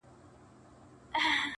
هغه مي سرې سترگي زغملای نسي